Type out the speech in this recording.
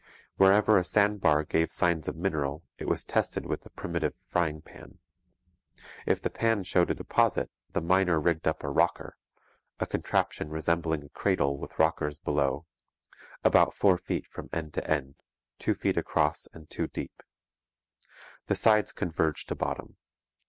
Wherever a sand bar gave signs of mineral, it was tested with the primitive frying pan. If the pan showed a deposit, the miner rigged up a rocker a contraption resembling a cradle with rockers below, about four feet from end to end, two feet across, and two deep. The sides converged to bottom.